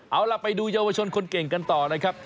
เอาล่ะไปดูเยาวชนคนเก่งกันต่อนะครับ